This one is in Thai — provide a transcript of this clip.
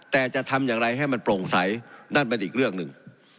แต่จะทำอย่างไรให้มันโปร่งใสนั่นเป็นอีกเรื่องหนึ่ง